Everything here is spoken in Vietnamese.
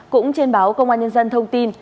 cũng trên báo công an nhân dân thông tin